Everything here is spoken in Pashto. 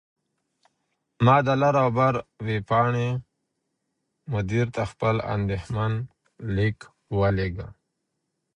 ما د «لر او بر» ویبپاڼې مدیر ته خپل اندیښمن لیک ولیږه.